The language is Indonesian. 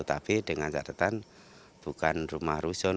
tapi dengan catatan bukan rumah rusun